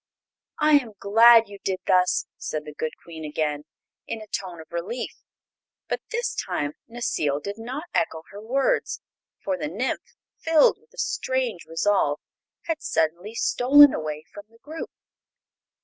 "I am glad you did thus," said the good Queen again, in a tone of relief; but this time Necile did not echo her words, for the nymph, filled with a strange resolve, had suddenly stolen away from the group.